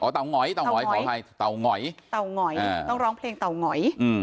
อ๋อเต่างอยเต่างอยเต่างอยเต่างอยเต่างอยต้องร้องเพลงเต่างอย